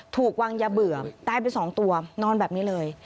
ถูกวางยาเบื่อตายไป๒ตัวนอนแบบนี้เลย